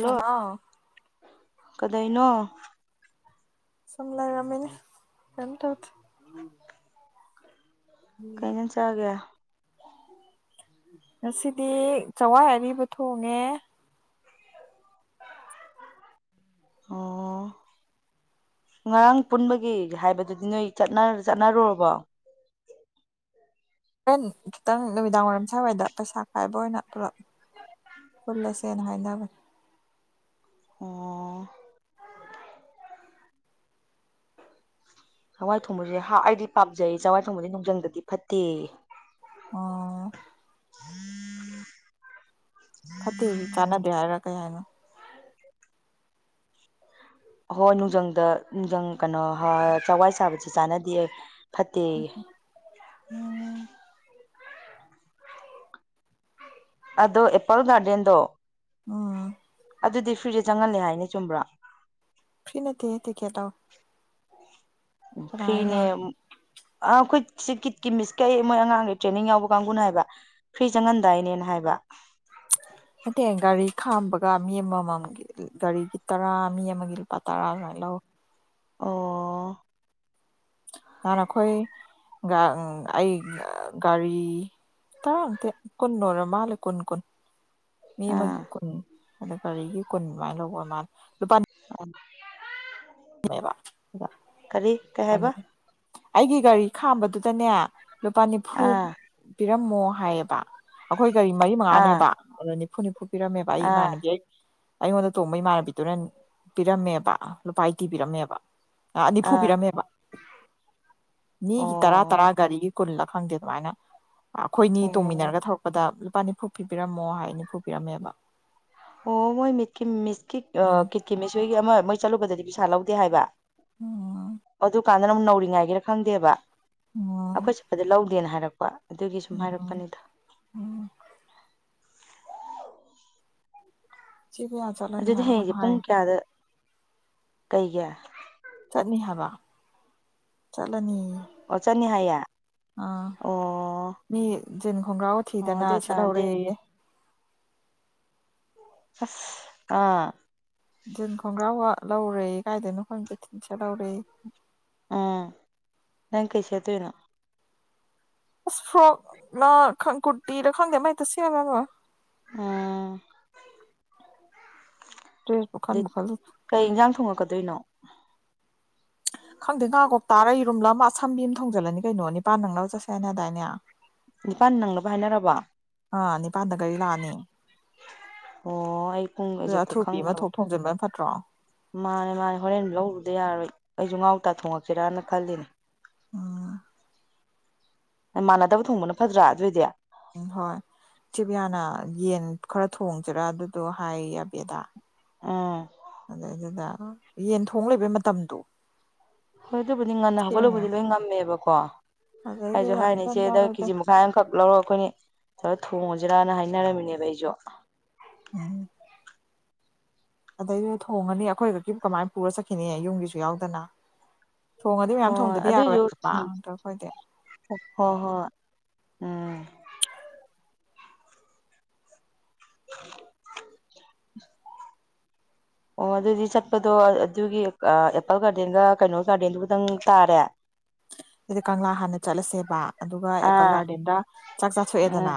Hello ꯀꯗꯥꯩꯅꯣ ꯁꯨꯝ ꯂꯩꯔꯝꯃꯤꯅꯤ ꯀꯩꯝ ꯇꯧꯗꯦ ꯀꯩ ꯏꯟꯖꯥꯡ ꯆꯥꯒꯦ ꯉꯁꯤꯗꯤ ꯆꯥꯛꯋꯥꯏ ꯑꯔꯤꯕ ꯊꯣꯡꯉꯦ ꯑꯣ ꯉꯔꯥꯡ ꯄꯨꯟꯕꯒꯤ ꯍꯥꯏꯕꯗꯨꯗꯤ ꯅꯣꯏ ꯆꯠꯅ ꯆꯠꯅꯔꯨꯔꯕꯣ ꯍꯣꯔꯦꯟ ꯈꯤꯇꯪ ꯅꯨꯃꯤꯗꯥꯡ ꯋꯥꯏꯔꯝ ꯁ꯭ꯋꯥꯏꯗ ꯄꯩꯁꯥ ꯈꯥꯥꯥꯏꯕ ꯑꯣꯏꯅ ꯄꯨꯂꯞ ꯄꯨꯜꯂꯁꯦꯅ ꯍꯥꯏꯅꯕꯅꯦ ꯑꯣ ꯆꯋꯥꯏ ꯊꯣꯡꯕꯖꯦ ꯍꯥ ꯑꯩꯗꯤ ꯄꯥꯝꯖꯩ ꯆꯋꯥꯏ ꯊꯣꯡꯕꯖꯦ ꯅꯨꯡꯖꯪꯗꯗꯤ ꯐꯠꯇꯦꯌꯦ ꯑꯣ ꯐꯠꯇꯦꯗꯤ ꯆꯥꯟꯅꯗꯦ ꯍꯥꯏꯔꯥ ꯀꯩ ꯍꯥꯏꯅꯣ ꯍꯣꯏ ꯅꯨꯡꯖꯪꯗ ꯅꯨꯡꯖꯪ ꯀꯩꯅꯣ ꯍ ꯆꯋꯥꯏ ꯆꯥꯕꯁꯤ ꯆꯥꯟꯅꯗꯦ ꯐꯠꯇꯦꯌꯦ ꯎꯝ ꯑꯗꯣ ꯑꯦꯄꯜ ꯒꯥꯔꯗꯦꯟꯗꯣ ꯎꯝ ꯑꯗꯨꯗꯤ ꯐ꯭ꯔꯤꯗ ꯆꯪꯍꯜꯂꯦ ꯍꯥꯏꯅꯦ ꯆꯨꯝꯕ꯭ꯔꯣ ꯐ꯭ꯔꯤ ꯅꯠꯇꯦꯍꯦ ꯇꯤꯀꯦꯠ ꯇꯧ ꯍꯥꯏꯅꯣ ꯐ꯭ꯔꯤꯅꯦ ꯑ ꯑꯩꯈꯣꯏ ꯁꯤ ꯀꯤꯠꯀꯤ ꯃꯤꯁ ꯀꯩ ꯃꯣꯏ ꯑꯉꯥꯡꯒꯤ ꯇ꯭ꯔꯦꯅꯤꯡ ꯌꯥꯎꯕ ꯀꯥꯡꯕꯨꯅ ꯍꯥꯏꯕ ꯐ꯭ꯔꯤ ꯆꯪꯍꯟꯗꯥꯏꯅꯦꯅ ꯍꯥꯏꯕ ꯅꯠꯇꯦ ꯒꯥꯔꯤ ꯈꯥꯝꯕꯒ ꯃꯤ ꯑꯃꯃꯝꯒꯤ ꯒꯥꯔꯤꯒꯤ ꯇꯔꯥ ꯃꯤ ꯑꯃꯒꯤ ꯂꯨꯄꯥ ꯇꯔꯥ ꯑꯗꯨꯃꯥꯏꯅ ꯂꯧꯋꯦ ꯑꯣ ꯅꯍꯥꯟ ꯑꯩꯈꯣꯏ [unintelligible] ꯑꯩ ꯒꯥꯔꯤ ꯇꯔꯥ ꯅꯠꯇꯦ ꯀꯨꯟ ꯑꯣꯏꯔ ꯃꯥꯜꯂꯦ ꯀꯨꯟ ꯀꯨꯟ ꯃꯤ ꯑꯥ ꯑꯃꯒꯤ ꯀꯨꯟ ꯑꯗꯨ ꯒꯥꯔꯤꯒꯤ ꯀꯨꯟ ꯃꯥꯏꯅ ꯂꯧꯕ ꯑꯣꯏ ꯃꯥꯜꯂꯦ ꯂꯨꯄꯥ ꯕꯥ [unintelligible] [unintelligible] ꯀꯩ ꯍꯥꯏꯕ ꯑꯩꯒꯤ ꯒꯥꯔꯤ ꯈꯥꯝꯕꯗꯨꯗꯅꯦ ꯂꯨꯄꯥ ꯅꯤꯐꯨ ꯑꯥ ꯄꯤꯔꯝꯃꯣ ꯍꯥꯏꯌꯦꯕ ꯑꯩꯈꯣꯏ ꯒꯥꯔꯤ ꯃꯔꯤ ꯑꯥ ꯃꯉꯥꯅꯦꯕꯥ ꯑꯗꯨꯗ ꯅꯤꯐꯨ ꯅꯤꯐꯨ ꯄꯤꯔꯝꯃꯦꯕ ꯑꯩ ꯑꯥ ꯏꯃꯥꯟꯅꯕꯤ ꯑꯩ ꯑꯩꯉꯣꯟꯗ ꯇꯣꯡꯕ ꯏꯃꯥꯟꯅꯕꯤꯗꯨꯅ ꯄꯤꯔꯝꯃꯦꯕ ꯂꯨꯄꯥ ꯑꯩꯇꯤ ꯄꯤꯔꯝꯃꯦꯕ ꯑ ꯅꯤꯐꯨ ꯑꯥ ꯄꯤꯔꯝꯃꯦꯕ ꯃꯤꯒꯤ ꯇꯔꯥ ꯇꯔꯥ ꯑꯣ ꯒꯥꯔꯤꯒꯤ ꯀꯨꯜꯂ ꯈꯪꯗꯦ ꯑꯗꯨꯃꯥꯏꯅ ꯑꯩꯈꯣꯏꯅꯤ ꯑꯣ ꯇꯣꯡꯃꯤꯟꯅꯔꯒ ꯊꯧꯔꯛ ꯄꯗ ꯂꯨꯄꯥ ꯅꯤꯐꯨ ꯄꯤꯕꯤꯔꯝꯃꯣ ꯍꯥꯏ ꯅꯤꯐꯨ ꯄꯤꯔꯝꯃꯦꯕ ꯑꯣ ꯃꯣꯏ ꯃꯤꯠ ꯀꯤ ꯃꯤꯁꯀꯤ ꯑ ꯎꯝ ꯀꯤꯠ ꯀꯤ ꯃꯤꯁꯍꫭꯏꯒꯤ ꯑꯃ ꯃꯣꯏ ꯆꯠꯂꯨꯕꯗꯗꯤ ꯄꯩꯁꯥ ꯂꯧꯗꯦ ꯍꯥꯏꯕ ꯎꯝ ꯑꯗꯨ ꯀꯥꯟꯗꯅ ꯑꯃꯨꯛ ꯅꯧꯔꯤꯉꯥꯏꯒꯤꯔꯥ ꯈꯪꯗꯦꯕ ꯎꯝ ꯑꯩꯈꯣꯏ ꯆꯠꯄꯗ ꯂꯧꯗꯦꯅ ꯍꯥꯏꯔꯛꯄ ꯑꯗꯨꯒꯤ ꯁꯨꯝ ꯎꯝ ꯍꯥꯏꯔꯛꯄꯅꯤꯗ ꯎꯝ [unintelligible] ꯑꯗꯨꯗꯤ ꯀꯩꯅꯣꯝ ꯍꯌꯦꯡꯒꯤ ꯄꯨꯡ ꯍꯥꯏ ꯀꯌꯥꯗ ꯇꯩꯒꯦ ꯆꯠꯅꯤ ꯍꯥꯏꯕ ꯆꯠꯂꯅꯤ ꯑꯣ ꯆꯠꯅꯤ ꯍꯥꯏꯌꯦ ꯑꯥ ꯑꯣ ꯃꯤ ꯖꯤꯟ ꯈꯣꯡꯒ꯭ꯔꯥꯎ ꯑꯣ ꯊꯤꯗꯅ ꯑꯗꯨ ꯑꯣꯏꯇꯥꯔꯗꯤ ꯁꯦꯠꯍꯧꯔꯌꯦ ꯑꯁ ꯑꯥ ꯖꯤꯟ ꯈꯣꯡꯒ꯭ꯔꯥꯥꯎꯒ ꯂꯧꯔꯦ ꯀꯥꯏꯗꯅꯣ ꯈꯪꯗꯦ ꯖꯤꯟ ꯁꯦꯠ ꯂꯧꯔꯦꯌꯦ ꯎꯝ ꯅꯪ ꯀꯩ ꯁꯦꯠꯇꯣꯏꯅꯣ ꯑꯁ ꯐ꯭ꯂꫭꯛꯂꯥ ꯈꯪ ꯀꯨꯇꯤꯔ ꯈꯪꯗꯦ ꯑꯃ ꯍꯦꯛꯇ ꯁꯦꯠꯂ ꯂꫭꯏꯔꯦ ꯎꯝ ꯗ꯭ꯔꯦꯁꯄꯨ ꯑꯗꯩ ꯈꯟꯕꯨ ꯈꯜꯂꯨꯗꯦ ꯀꯩ ꯏꯟꯖꯥꯡ ꯊꯣꯡꯉꯛꯀꯥ ꯗꯣꯏꯅꯣ ꯈꯪꯗꯦ ꯉꯥ-ꯀꯧꯇꯥꯥꯔ ꯌꯦꯟꯔꯨꯝꯂ ꯑꯃ ꯑꯁꯝꯕꯤ ꯑꯃ ꯊꯣꯡꯖꯤꯜꯂꯅꯤ ꯀꯩꯅꯣ ꯅꯤꯄꯥꯟ ꯅꯪꯅꯕ ꯆꯠꯁꯦ ꯍꯥꯏꯅꯗꯥꯏꯅꯦ ꯅꯤꯄꯥꯟ ꯅꯪꯅꯕ ꯍꯥꯏꯅꯔꯕꯣ ꯑꯥ ꯅꯤꯄꯥꯟꯗ ꯒꯥꯔꯤ ꯂꯥꯛꯑꯅꯤ ꯑꯣ ꯑꯩ ꯄꯨꯡ ꯑꯗꯨ ꯑꯦꯛꯖꯦꯛꯇꯣ ꯑꯊꯨꯕꯤ ꯑꯃ ꯊꯣꯛ ꯊꯣꯡꯖꯤꯟꯕꯅ ꯐꯠꯇ꯭ꯔꯣ ꯃꯥꯅꯤ ꯃꯥꯅꯤ ꯍꯣꯔꯦꯟ ꯂꯧꯔꯨꯗ ꯌꯥꯔꯣꯏ ꯑꯩꯁꯨ ꯉꯥ-ꯀꯧꯇꯥ ꯊꯣꯡꯉꯛꯁꯤꯔꯅ ꯈꯜꯂꯤꯅꯦ [inaudible] ꯃꯥꯟꯅꯗꯕ ꯊꯣꯡꯕꯅ ꯐꯠꯇ꯭ꯔꯥ ꯑꯗꯨ ꯑꯣꯏꯗꯤ ꯎꯝ ꯍꯣꯏ ꯆꯦ [unintelligible] ꯌꯥꯅ ꯌꯦꯟ ꯈꯔ ꯊꯣꯡꯁꯤꯔꯥ ꯑꯗꯨꯗꯣ ꯍꯥꯏ ꯑꯕꯦꯗꯥ ꯑꯣ ꯑꯗꯩꯗꯨꯗ ꯌꯦꯟ ꯊꯣꯡ ꯂꯩꯕꯩ ꯃꯇꯝꯗꯣ ꯍꯣꯏ ꯑꯗꯨꯕꯨꯗꯤ ꯉꯟꯅ ꯁꯦꯡꯅ ꯍꯧꯒꯠꯂꯕꯨꯗꯤ ꯂꯣꯏ ꯉꯝꯃꯦꯕꯀꯣ ꯑꯩꯁꯨ ꯑꯗꯩꯗꯨꯗ ꯍꯥꯏꯔꯤꯅꯤ ꯖꯟ ꯖꯥꯟ ꯏꯆꯦꯗ ꯑꯣꯏꯗ ꯀꯦꯖꯤ ꯃꯨꯛ ꯇꯪꯈꯥꯏ ꯑꯃꯈꯛ ꯂꯧꯔꯒ ꯑꯩꯈꯣꯏꯅ ꯈꯔ ꯊꯣꯡꯉꯁꯤꯔꯅ ꯍꯥꯏꯅꯔꯝꯃꯤꯅꯦꯕ ꯑꯩꯁꯨ [inaudible] ꯑꯗꯩꯗ ꯊꯣꯡꯉꯅꯤ ꯑꯩꯈꯣꯏꯈꯛꯀꯤ ꯀꯃꯥꯏꯅ ꯄꯨꯔ ꯆꯠꯈꯤꯅꯤ ꯌꯨꯝꯒꯤꯁꯨ ꯌꯥꯎꯗꯅ ꯊꯣꯡꯉꯗꯤ ꯃꯌꯥꯝ ꯍꯣꯏ ꯊꯣꯡꯗꯗꯤ ꯌꯥꯔꯣꯏ ꯍꯥꯏꯕ ꯑꯗꯨꯏꯁꯨ [unintelligible] ꯑꯩꯈꯣꯏꯗꯤ [unintelligible] ꯍꯣꯏ ꯎꯝ [inaudible] ꯑꯣ ꯑꯗꯨꯗꯤ ꯆꯠꯄꯗꯣ ꯑꯗꯨꯒꯤ ꯑꯦꯄꯜ ꯒꯥꯔꯗꯦꯟꯒ ꯀꯩꯅꯣ ꯒꯥꯔꯗꯦꯟꯗꯨꯒꯗꯪ ꯇꯥꯔꯦ ꯑꯗꯨꯗꯤ ꯀꯪꯂꯥ ꯍꯥꯟꯅ ꯆꯠꯂꯁꯦꯕ ꯑꯗꯨꯒ ꯑꯦꯄꯜ ꯑꯥ ꯒꯥꯔꯗꯦꯟꯗ ꯆꯥꯛ ꯎꯝ ꯆꯥꯊꯣꯛꯑꯦꯗꯅ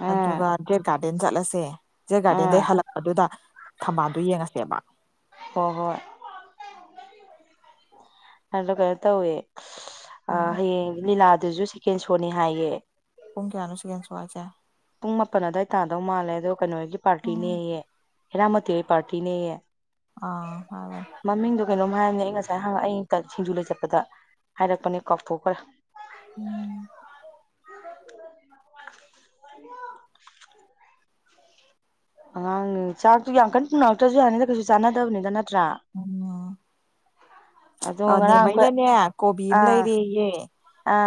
ꯎꯝ ꯑꯗꯨꯒ ꯖꯦꯠ ꯒꯥꯔꯗꯦꯟ ꯆꯠꯂꯁꯦ ꯖꯦꯠ ꯒꯥꯔꯗꯦꯟꯗꯩ ꯎꯝ ꯍꯜꯂꯛꯄꯗꯨꯗ ꯊꯝꯕꯥꯜꯗꯨꯣ ꯌꯦꯡꯉꯁꯦꯕ ꯍꯣ ꯍꯣꯏ ꯑꯗꯣ ꯀꯩꯅꯣ ꯇꯧꯋꯦ ꯑꯣ ꯍꯌꯦꯡ ꯂꯤꯂꯥꯗꯨꯁꯨ ꯁꯦꯀꯦꯟ ꯁꯣꯅꯤ ꯍꯥꯏꯌꯦ ꯄꯨꯡ ꯀꯌꯥꯅꯣ ꯁꯦꯀꯦꯟ ꯁꯣ ꯍꯥꯏꯁꯦ ꯄꯨꯡ ꯃꯥꯄꯜ ꯑꯗꯨꯋꯥꯏ ꯇꯥꯗꯧ ꯃꯥꯜꯂꯦ ꯑꯗꯣ ꯀꯩꯅꯣꯍꯣꯏꯒꯤ ꯎꯝ ꯄꯥꯔꯇꯤꯅꯦꯌꯦ ꯍꯦꯔꯥꯃꯣꯇꯤꯍꯣꯏ ꯄꯥꯔꯇꯤꯅꯦꯌꯦ ꯑꯥ ꯍꯥꯏꯕꯟ ꯃꯃꯤꯡꯗꯣ ꯀꯩꯅꯣꯝ ꯍꯥꯏꯕꯅꯦ ꯑꯩ ꯉꯁꯥꯏ ꯍꯪꯉꯛ ꯑꯩ ꯁꯤꯡꯖꯨ ꯂꯩ ꯆꯠꯄꯗ ꯍꯥꯏꯔꯛꯄꯅꯦ ꯀꯥꯎꯊꯣꯛꯈ꯭ꯔꯦ [inaudible] [inaudible] ꯑꯉꯥꯡ ꯆꯥꯛꯇꯨ ꯌꯥꯝ ꯀꯟꯅ ꯄꯨꯔꯛꯇ꯭ꯔꯁꯨ ꯌꯥꯅꯤꯗ ꯀꯩꯁꯨ ꯆꯥꯅꯗꯕꯅꯤꯗ ꯅꯠꯇ꯭ꯔꯥ ꯑꯗꯣ ꯑ ꯉꯔꯥꯡ ꯑꯩꯈꯣꯏ ꯅꯦꯝꯃꯩꯅꯅꯦ ꯀꯣꯕꯤ ꯑꯃ ꯑꯥ ꯂꯩꯔꯦꯌꯦ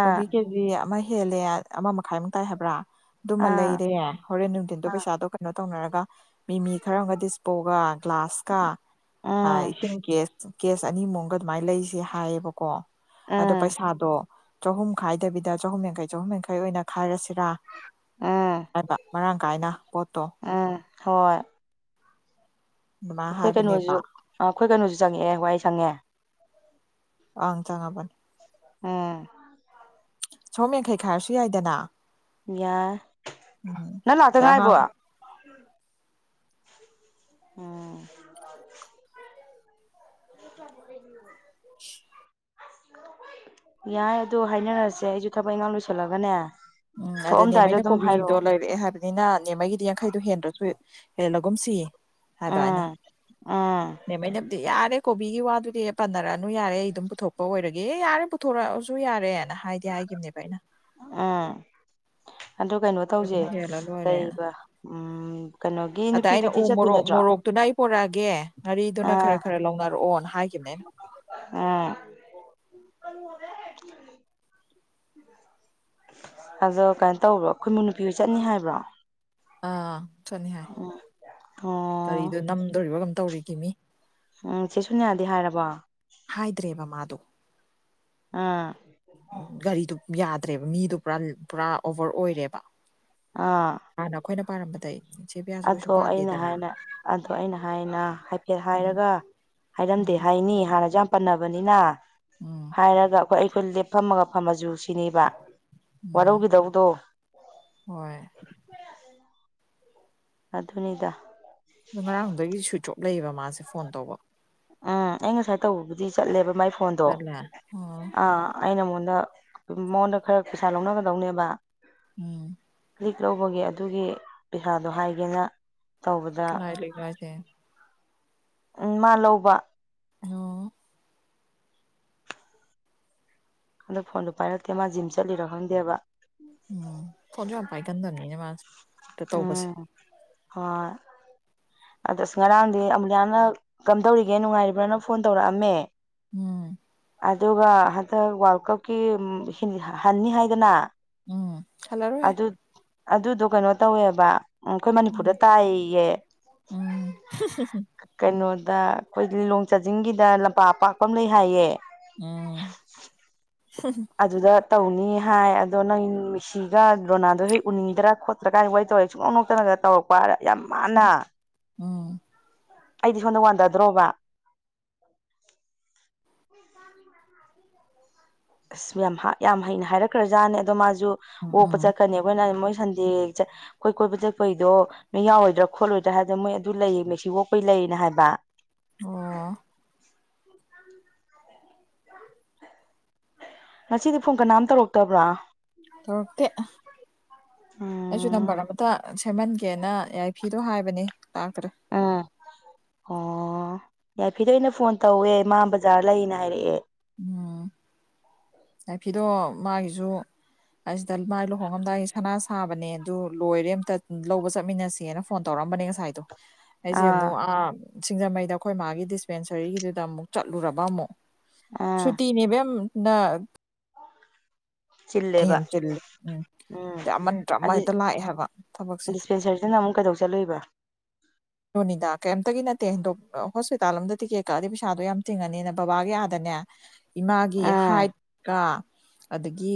ꯀꯣꯕꯤ ꯀꯤ ꯀꯤꯖꯤ ꯑꯃ ꯍꯦꯜꯂꯦ ꯑꯃ ꯃꯈꯥꯏꯃꯨꯛ ꯇꯥꯏ ꯍꯥꯏꯕ꯭ꯔꯥ ꯑꯗꯨꯃ ꯑꯥ ꯂꯩꯔꯦ ꯍꯣꯔꯦꯟ ꯅꯨꯡꯊꯤꯟꯗꯣ ꯑꯥ ꯄꯩꯁꯥꯗꯣ ꯀꯩꯅꯣ ꯇꯧꯅꯔꯒ ꯃꯤ-ꯃꯤ ꯈꯔ ꯑꯃꯒ ꯗꯤꯁꯄꯣꯒ ꯒ꯭ꯂꯥꯁꯀ ꯎꯝ ꯏꯁꯤꯡ ꯀꯦꯁ ꯀꯦꯁ ꯑꯅꯤꯃꯨꯛꯒ ꯑꯗꯨꯃꯥꯏꯅ ꯂꯩꯁꯦ ꯍꯥꯏꯌꯦꯕꯀꯣ ꯑꯗꯣ ꯎꯝ ꯄꯩꯁꯥꯗꯣ ꯆꯥꯍꯨꯝ ꯈꯥꯏꯗꯕꯤꯗ ꯆꯥꯍꯨꯝ ꯌꯥꯡꯈꯩ ꯆꯥꯍꯨꯝ ꯌꯥꯡꯈꯩ ꯑꯣꯏꯅ ꯈꯥꯏꯔꯁꯤ ꯔꯥ ꯎꯝ ꯍꯥꯏꯕ ꯃꯔꯥꯡ ꯀꯥꯏꯅ ꯄꯣꯠꯇꯣ ꯎꯝ ꯍꯣꯏ ꯑꯗꯨꯃꯥꯏꯅ ꯈꯣꯏ ꯍꯥꯏꯕꯅꯦꯕ ꯀꯩꯅꯣꯁꯨ ꯑꯥ ꯈꯣꯏ ꯀꯩꯅꯣꯁꯨ ꯆꯪꯉꯛꯑꯦ ꯋꯥꯏ ꯁꯪ ꯁꯡꯉꯦ ꯑꯪ ꯆꯉꯕꯅꯦ ꯎꯝ ꯆꯥꯍꯨꯝ ꯌꯥꯡꯈꯩ ꯈꯥꯏꯔꯁꯨ ꯌꯥꯏꯗꯅ ꯌꯥꯏ ꯎꯝ ꯅꯪ ꯂꯥꯛꯇ ꯑꯉꯥꯡ ꯉꯥꯏꯕꯣ ꯎꯝ [inaudible] ꯌꯥꯏ ꯑꯗꯣ ꯍꯥꯏꯅꯔꯁꯦ ꯑꯩꯁꯨ ꯊꯕꯛ ꯏꯡꯈꯥꯡ ꯂꯣꯏꯁꯤꯜꯂꯒꯅꯦ ꯎꯝ ꯑꯗꯅꯦꯕ ꯊꯣꯛꯑꯝꯗꯥꯏꯗ ꯑꯩꯅ ꯑꯗꯨꯝ ꯀꯣꯕꯤꯗꯣ ꯍꯥꯏꯔꯛꯑꯣ ꯂꯩꯔꯛꯑꯦ ꯍꯥꯏꯕ ꯅꯤꯅ ꯅꯦꯃꯒꯤꯗꯤ ꯌꯥꯡꯈꯩꯗꯣ ꯍꯦꯟꯗ꯭ꯔꯁꯨ ꯍꯦꯜꯂꯒꯨꯝꯁꯤ ꯍꯥꯏꯕ ꯑꯩꯅ ꯎꯝ ꯎꯝ ꯅꯦꯝꯃꯩꯅ ꯌꯥꯔꯦ ꯀꯣꯕꯤꯒꯤ ꯋꯥꯗꯨꯗꯤ ꯄꯟꯅꯔꯛꯑꯅꯨ ꯌꯥꯔꯦ ꯑꯩ ꯑꯗꯨꯝ ꯄꯨꯊꯣꯛꯄ ꯑꯣꯏꯔꯒꯦ ꯌꯥꯔꯦ ꯄꯨꯊꯣꯔꯛꯑꯁꯨ ꯌꯥꯔꯦꯅ ꯍꯥꯏꯒꯤ ꯌꯥꯏꯒꯤꯅꯦꯕ ꯑꯩꯅ ꯑꯥ ꯑꯗꯨ ꯀꯩꯅꯣ ꯇꯧꯁꯦ ꯑꯗꯨꯝ ꯍꯦꯜꯂ ꯂꯣꯏꯔꯦ ꯀꯩꯕ ꯎꯝ ꯀꯩꯅꯣꯒꯤ ꯑꯗ ꯑꯩꯅ ꯅꯨꯄꯤꯗꯨꯗꯤ ꯎ ꯆꯠꯇꯣꯏ ꯃꯣꯔꯣꯛ ꯅꯠꯇ꯭ꯔꯣ ꯃꯣꯔꯣꯛꯇꯨꯅ ꯑꯩ ꯄꯣꯔꯛꯑꯒꯦ ꯉꯥꯔꯤꯗꯨꯅ ꯈꯔ ꯈꯔ ꯂꯧꯅꯔꯛꯑꯣꯅ ꯍꯥꯏꯈꯤꯕꯅꯦ ꯑꯩꯅ꯫ ꯑꯥ ꯑꯗꯣ ꯀꯩꯅꯣ ꯇꯧꯕ꯭ꯔꯣ ꯈꯣꯏꯃꯨ ꯅꯨꯄꯤ ꯍꯣꯏ ꯆꯠꯅꯤ ꯍꯥꯏꯕ꯭ꯔꯣ? ꯑꯥ ꯁꯣꯠꯅꯤ ꯍꯥꯏ ꯎꯝ ꯑꯣ ꯒꯥꯔꯤꯗꯣ ꯅꯝꯗꯣꯔꯤꯕ ꯀꯩꯅꯣꯝ ꯇꯧꯔꯤ ꯀꯤꯃꯤ꯫ ꯎꯝ ꯆꯦ ꯁꯨꯅꯤꯌꯥꯗꯤ ꯍꯥꯏꯔꯕꯣ? ꯍꯥꯏꯗ꯭ꯔꯦꯕ ꯃꯥꯗꯣ ꯑꯥ ꯒꯥꯔꯤꯗꯨ ꯌꯥꯗ꯭ꯔꯦꯕ ꯃꯤꯗꯨ ꯄꯨꯔꯥ ꯄꯨꯔꯥ ꯑꯣꯕꯔ ꯑꯣꯏꯔꯦꯕ꯫ ꯑꯥ ꯍꯥꯟꯅ ꯑꯩꯈꯣꯏꯅ ꯄꯥꯔꯝꯕꯗꯩꯩ ꯑꯗꯣ ꯑꯩꯅ ꯍꯥꯏꯅ ꯑꯗꯣ ꯑꯩꯅ ꯍꯥꯏꯅ ꯍꯥꯏꯐꯦꯠ ꯎꯝ ꯍꯥꯏꯔꯒ ꯍꯥꯏꯔꯝꯗꯦ ꯎꯝ ꯍꯥꯏꯅꯤ ꯍꯥꯟꯅꯁꯨ ꯌꯥꯝ ꯄꯟꯅꯕꯅꯤꯅ ꯎꯝ ꯍꯥꯏꯔꯒ ꯑꯩꯈꯣꯏ ꯑꯩꯈꯣꯏ ꯂꯦꯞꯐꯝꯃꯒ ꯐꯝꯃꯁꯨ ꯁꯤꯅꯤꯕ ꯎꯝ ꯋꯥꯔꯧꯒꯤꯗꯧꯗꯣ ꯍꯣꯏ ꯑꯗꯨꯅꯤꯗ ꯑꯗꯣ ꯉꯔꯥꯡꯗꯨꯗꯒꯤ ꯁ꯭ꯋꯤꯆ ꯑꯣꯞ ꯂꯩꯌꯦꯕ ꯃꯥꯁꯦ ꯐꯣꯟ ꯇꯧꯕ ꯑꯥ ꯑꯩ ꯉꯁꯥꯏ ꯇꯧꯕꯕꯨꯗꯤ ꯆꯠꯂꯦꯕ ꯃꯥꯏ ꯐꯣꯟꯗꯣ ꯆꯠꯂꯦ ꯑꯣ ꯑꯥ ꯑꯩꯅ ꯃꯉꯣꯟꯗ ꯃꯉꯣꯟꯗ ꯈꯔ ꯄꯩꯁꯥ ꯂꯧꯅꯒꯗꯧꯅꯦꯕ꯫ ꯎꯝ ꯂꯤꯛ ꯂꯧꯕꯒꯤ ꯑꯗꯨꯒꯤ ꯄꯩꯁꯥꯗꯣ ꯍꯥꯏꯒꯦꯅ꯫ ꯇꯧꯕꯗ ꯀꯅꯥꯏ ꯂꯤꯛꯅꯣ ꯍꯥꯏꯁꯦ꯫ ꯎꯝ ꯃꯥ ꯂꯧꯕ꯫ ꯑꯣ ꯑꯗꯣ ꯐꯣꯟꯗꯨ ꯄꯥꯏꯔꯛꯇꯦ ꯃꯥ ꯖꯤꯝ ꯆꯠꯂꯤꯔ ꯈꯪꯗꯦꯕ꯫ ꯎꯝ ꯐꯣꯟꯁꯨ ꯌꯥꯝ ꯄꯥꯏꯒꯟꯗꯝꯅꯤꯅꯦ ꯃꯥꯁꯦ꯫ ꯍꯦꯛꯇ ꯇꯧꯕꯁꯦ ꯎꯝ ꯍꯣꯏ ꯑꯗꯣ ꯑꯁ ꯉꯔꯥꯡꯗꯤ ꯑꯃꯨꯂꯌꯥꯅ ꯀꯝꯗꯧꯔꯤꯒꯦ ꯅꯨꯡꯉꯥꯏꯔꯤꯕ꯭ꯔꯅ ꯐꯣꯟ ꯇꯧꯔꯛꯑꯝꯃꯦ꯫ ꯎꯝ ꯑꯗꯨꯒ ꯍꯟꯗꯛ ꯋꯥꯔꯜ ꯀꯞꯀꯤ ꯎꯝ ꯍꯟꯅꯤ ꯍꯥꯏꯗꯅ ꯎꯝ ꯍꯜꯂꯔꯣꯏ ꯑꯗꯨ ꯑꯗꯨꯗꯣ ꯀꯩꯅꯣ ꯇꯧꯋꯦꯕ ꯎꯝ ꯈꯣꯏ ꯎꯝ ꯃꯅꯤꯄꯨꯔꯗ ꯇꯥꯏꯌꯦꯌꯦ ꯎꯝ ꯀꯩꯅꯣꯗ ꯑꯩꯈꯣꯏ ꯂꯤꯂꯣꯡ ꯆꯥꯖꯤꯡꯒꯤꯗ ꯂꯝꯄꯥꯛ ꯑꯄꯥꯛꯄ ꯑꯃ ꯂꯩ ꯍꯥꯏꯌꯦ꯫ ꯎꯝ ꯑꯗꯨꯗ ꯇꯧꯅꯤ ꯍꯥꯏ ꯑꯗꯣ ꯅꯪ ꯃꯤꯛꯁꯤꯒ ꯔꯣꯅꯥꯗꯣ ꯍꯣꯏ ꯎꯅꯤꯡꯗꯔꯥ ꯈꯣꯠ ꯁꯀꯥꯏꯅ ꯋꯥꯔꯤ ꯇꯧꯔꯦ ꯁꯨꯡꯅꯣꯛ ꯅꯣꯛꯇꯅꯒ ꯇꯧꯔꯛꯄ ꯍꯥꯏꯔ ꯌꯥꯝ ꯃꯥꯟꯅ ꯑꯝ ꯑꯩꯗꯤ ꯁꯣꯝꯗ ꯋꯥꯟꯗꯗ꯭ꯔꯣꯕ꯫ ꯑꯁ ꯌꯥꯝ ꯌꯥꯝ ꯍꯩꯅ ꯍꯥꯏꯔꯛꯈ꯭ꯔꯖꯥꯠꯅꯦ ꯑꯗꯣ ꯃꯥꯁꯨ ꯎꯝ ꯑꯣꯛꯄ ꯎꯝ ꯆꯠꯀꯅꯤ ꯑꯩꯈꯣꯏꯅ ꯃꯣꯏ ꯁꯟꯗꯦ ꯑꯩꯈꯣꯏ ꯀꯣꯏꯕ ꯆꯠꯄꯩꯗꯣ ꯅꯣꯏ ꯌꯥꯎꯔꯣꯏꯗ꯭ꯔꯥ ꯈꯣꯠꯂꯣꯏꯗ꯭ꯔꯥ ꯍꯥꯏꯗꯅ ꯃꯣꯏ ꯑꯗꯨ ꯂꯩꯌꯦ ꯃꯩ ꯁꯤꯋꯣꯛꯄꯩ ꯂꯩꯌꯦꯅ ꯍꯥꯏꯕ ꯑꯣ ꯉꯁꯤꯗꯤ ꯐꯣꯟ ꯀꯅꯥꯝ ꯇꯧꯔꯛꯇꯕ꯭ꯔꯣ ꯇꯧꯔꯛꯇꯦ ꯑꯩꯁꯨ ꯎꯝ ꯅꯝꯕꯔ ꯑꯃꯇ ꯁꯦꯝꯍꯟꯒꯦꯅ ꯌꯥꯏꯐꯤꯗꯣ ꯍꯥꯏꯕꯅꯦ ꯂꯥꯛꯇ꯭ꯔꯦ ꯑꯣ ꯑꯣ ꯌꯥꯏꯐꯤꯗ ꯑꯩꯅ ꯐꯣꯟ ꯇꯧꯋꯦ ꯃꯥ ꯕꯖꯥꯔ ꯂꯩꯅ ꯍꯥꯏꯔꯛꯑꯦ ꯑꯣ ꯐꯤꯗꯣ ꯃꯥꯒꯤꯁꯨ ꯑꯁꯤꯗ ꯃꯥꯏ ꯂꯨꯍꯣꯡꯉꯝꯗꯥꯏꯒꯤ ꯁꯅꯥ ꯁꯥꯕꯅꯦ ꯑꯗꯨ ꯂꯣꯏꯔꯦ ꯑꯃꯝꯇ ꯂꯧꯕ ꯆꯠꯃꯤꯟꯅꯁꯦꯅ ꯐꯣꯟ ꯇꯧꯔꯛꯑꯝꯕꯅꯦ ꯉꯁꯥꯏꯗꯣ [inaudible] ꯑꯩꯁꯦ ꯑꯃꯨꯛ ꯁꯤꯡꯖꯃꯩꯗ ꯑꯩꯈꯣꯏ ꯃꯥꯒꯤ ꯗꯤꯁꯄꯦꯟꯁꯔꯤꯒꯤꯗꯨꯗ ꯑꯃꯨꯛ ꯆꯠꯂꯨꯔꯕ ꯑꯃꯨꯛ ꯑꯥ ꯁꯨꯇꯤꯅꯦ ꯏꯕꯦꯝ ꯅ ꯆꯤꯜꯂꯦꯕ ꯍꯦꯟꯆꯜꯂꯦ ꯎꯝ ꯎꯝ ꯑ ꯑꯃ ꯅꯠꯇ꯭ꯔꯥ ꯑꯃ ꯑꯗꯨ ꯍꯦꯛꯇ ꯂꯥꯛꯑꯦ ꯍꯥꯏꯕ ꯊꯕꯛꯁꯦ ꯗꯤꯁꯄꯦꯟꯁꯔꯗꯅ ꯑꯃꯨꯛ ꯀꯩꯗꯧ ꯆꯠꯂꯨꯏꯕ ꯔꯣꯅꯤꯗꯥ ꯀꯩꯝꯇꯒꯤ ꯅꯠꯇꯦꯗ ꯍꯣꯁꯄꯤꯇꯥꯜꯂꯣꯝꯗ ꯇꯤꯛꯀꯦꯠ ꯀꯛꯑꯗꯤ ꯄꯩꯁꯥꯗꯣ ꯌꯥꯝ ꯇꯤꯡꯉꯅꯤꯅ ꯕꯕꯥꯒꯤ ꯑꯥꯗꯅꯦ ꯏꯃꯥꯒꯤ ꯑꯥ ꯍꯥꯏꯠꯀ ꯑꯗꯒꯤ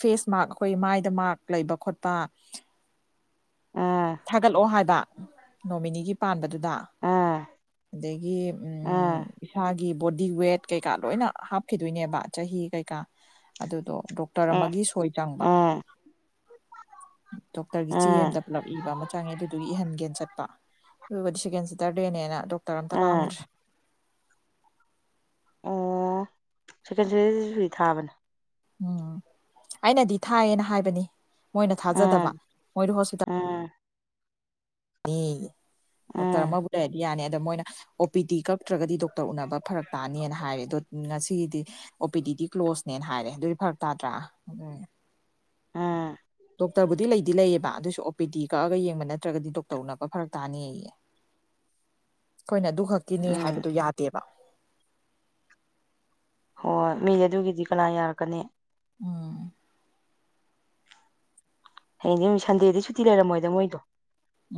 ꯐꯦꯁ ꯃꯛ ꯑꯩꯈꯣꯏ ꯃꯥꯏꯗ ꯃꯔꯛ ꯂꯩꯕ ꯈꯣꯠꯄ ꯑꯥ ꯊꯥꯒꯠꯂꯛꯑꯣ ꯍꯥꯏꯕ ꯅꯣꯃꯤꯅꯤꯒꯤ ꯄꯥꯟꯕꯗꯨꯗ ꯑꯥ ꯑꯗꯒꯤ ꯑꯥ ꯏꯁꯥꯒꯤ ꯕꯣꯗꯤ ꯋꯦꯠ ꯀꯩꯀꯥ ꯂꯣꯏꯅ ꯍꯥꯞꯈꯤꯗꯣꯏꯅꯦꯕ ꯆꯍꯤ ꯀꯩꯀꯥ ꯑꯗꯨꯗꯣ ꯗ ꯗꯣꯛꯇꯔ ꯑꯦ ꯑꯃꯒꯤ ꯁꯣꯏ ꯆꯪꯕ ꯑꯥ ꯗꯣꯛꯇꯔꯒꯤ ꯆꯦ ꯑꯥ ꯑꯦꯝꯗ ꯄꯨꯂꯞ ꯏꯕ ꯑꯃ ꯆꯪꯉꯦ ꯑꯗꯨꯗꯨꯒꯤ ꯏꯍꯟꯒꯦꯅ ꯆꯠꯄ ꯑꯗꯨꯕꯨꯗꯤ ꯁꯦꯀꯦꯟ ꯁꯤꯇꯔꯗꯦꯅꯦꯅ ꯗꯣꯛꯇꯔ ꯑꯝꯇ ꯑꯥ ꯂꯥꯛꯑꯝꯗ꯭ꯔꯦ ꯑꯣ ꯁꯦꯀꯦꯟ ꯁꯥꯔꯇꯥꯔꯗꯦ ꯁꯨꯇꯤ ꯊꯥꯕꯅꯦ ꯎꯝ ꯑꯩꯅꯗꯤ ꯊꯥꯏꯌꯦꯅ ꯍꯥꯏꯕꯅꯤ ꯃꯣꯏꯅ ꯑꯥ ꯊꯥꯖꯗꯕ ꯃꯣꯏꯗꯣ ꯍꯣꯁꯄꯤꯇꯥꯜ ꯑꯥ ꯗꯣꯛꯇꯔ ꯑꯥ ꯑꯃꯕꯨ ꯂꯩꯔꯗꯤ ꯌꯥꯅꯤ ꯑꯗ ꯃꯣꯏꯅ ꯑꯣ ꯄꯤ ꯇꯤ ꯀꯞꯛꯇ꯭ꯔꯒꯗꯤ ꯗꯣꯛꯇꯥꯔ ꯇꯥꯔ ꯎꯅꯕ ꯐꯔꯛ ꯇꯥꯅꯤꯅ ꯍꯥꯏꯔꯦ ꯑꯗꯣ ꯉꯁꯤꯒꯤꯗꯤ ꯑꯣ ꯄꯤ ꯗꯤ ꯀ꯭ꯂꯣꯁꯅꯦꯅ ꯍꯥꯏꯔꯦ ꯑꯗꯨꯗꯤ ꯐꯔꯛ ꯇꯥꯗ꯭ꯔꯥ ꯎꯝ ꯑꯥ ꯗꯣꯛꯇꯔꯕꯨꯗꯤ ꯂꯩꯗꯤ ꯂꯩꯌꯦꯕ ꯑꯗꯨꯁꯨ ꯄꯤ ꯇꯤ ꯀꯛꯑꯒ ꯌꯦꯡꯕ ꯅꯠꯇ꯭ꯔꯒꯗꯤ ꯗꯣꯛꯇꯔ ꯎꯅꯕ ꯐꯔꯛ ꯇꯥꯅꯤꯌꯦꯌꯦ ꯑꯩꯈꯣꯏꯅ ꯑꯗꯨ ꯈꯛ ꯀꯤꯅꯤ ꯎꯝ ꯍꯥꯏꯕꯗꯨ ꯌꯥꯗꯦꯕ ꯍꯣꯏ ꯃꯤ ꯑꯗꯨꯒꯤꯗꯤ ꯀꯅꯥ ꯌꯥꯔꯛꯀꯅꯤ ꯎꯝ ꯍꯌꯦꯡꯗꯤ ꯁꯟꯗꯦꯗ ꯁꯨꯇꯤ ꯂꯩꯔꯝꯃꯣꯏꯗ ꯃꯣꯏꯗꯣ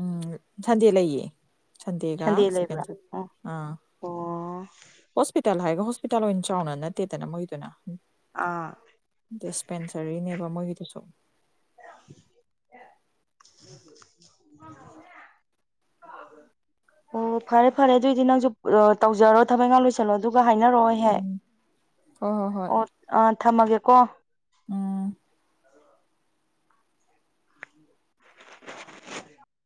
ꯎꯝ ꯁꯟꯗꯦ ꯂꯩꯌꯦ ꯁꯟꯗꯦꯒ ꯁꯟꯗꯦ ꯁꯦꯀꯦꯟ ꯂꯩꯕ꯭ꯔꯥ ꯑꯣ ꯑꯥ ꯑꯣ ꯍꯣꯁꯄꯤꯇꯥꯜ ꯍꯥꯏꯒ ꯍꯣꯁꯄꯤꯇꯥꯜ ꯑꯣꯏꯅ ꯆꯥꯎꯅ ꯅꯠꯇꯦꯗꯅ ꯃꯣꯏꯗꯨꯅ ꯑꯥ ꯗꯤꯁꯄꯦꯟꯁꯔꯤꯅꯦꯕ ꯃꯣꯏꯒꯤꯗꯨꯁꯨ [unintelligible] ꯑꯣ ꯐꯔꯦ ꯐꯔꯦ ꯑꯗꯨꯑꯣꯏꯗꯤ ꯅꯪꯁꯨ ꯇꯧꯖꯔꯣ ꯊꯕꯛ ꯏꯟꯈꯪ ꯂꯣꯏꯁꯤꯜꯂꯣ ꯑꯗꯨꯒ ꯍꯥꯏꯅꯔꯛꯑꯣ ꯍ ꯎꯝ ꯍꯣꯏ ꯍꯣꯏ ꯍꯣꯏ ꯑꯣ ꯑ ꯊꯝꯃꯒꯦꯀꯣ ꯎꯝ [inaudible] [unintelligible]